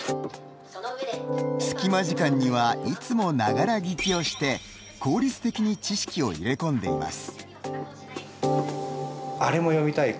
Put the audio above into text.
隙間時間にはいつもながら聴きをして効率的に知識を入れ込んでいます。